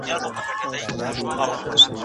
ژبه خپل حق غواړي.